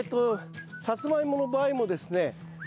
サツマイモの場合もですね